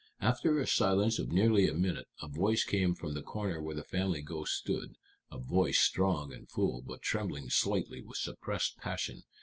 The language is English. After a silence of nearly a minute a voice came from the corner where the family ghost stood a voice strong and full, but trembling slightly with suppressed passion.